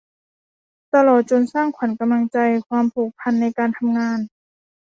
ตลอดจนสร้างขวัญกำลังใจ ความผูกพันในการทำงาน